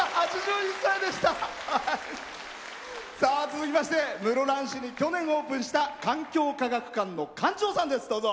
続きまして室蘭市に去年オープンした環境科学館の館長です。